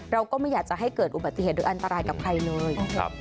เราก็ไม่อยากจะให้เกิดอุบัติเหตุหรืออันตรายกับใครเลย